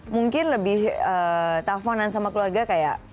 mungkin lebih telponan sama keluarga kayak